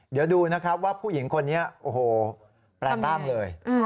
เดี๋ยวดูนะครับว่าผู้หญิงคนนี้โอ้โหแปลงร่างเลย